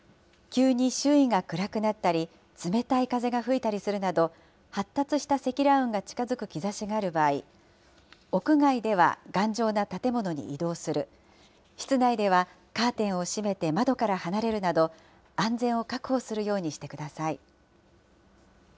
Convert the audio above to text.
急に周囲が暗くなったり、冷たい風が吹いたりするなど、発達した積乱雲が近づく兆しがある場合、屋外では頑丈な建物に移動する、室内ではカーテンを閉めて窓から離れるなど、安全を確保するようにしてください。